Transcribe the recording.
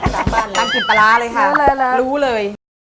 ตามกลิ่นปลาร้าเลยค่ะรู้เลย